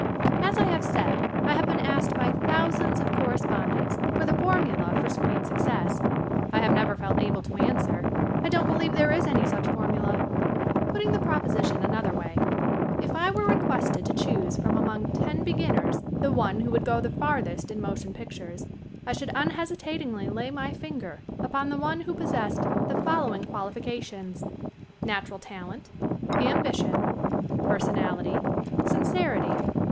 As I HAVE said, I have been asked by thous ands of correspondents for the formula for screen success. I have never felt able to an swer. I don't believe there is any such formula. Putting the proposition another way : If I were requested to choose from among ten beginners the one who would go the farth est in motion pictures I should unhesitatingly lay my finger upon the one who possessed the following qualifications : (1) Natural talent. (2) Ambition. (3) Personality. (4) Sincerity.